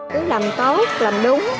cứ làm tốt làm đúng